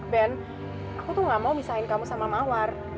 ben aku tuh nggak mau misahin kamu sama mawar